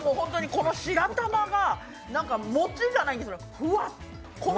この白玉がモチっじゃないんですよ、フワッ！